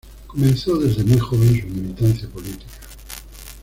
Comenzó desde muy joven su militancia política.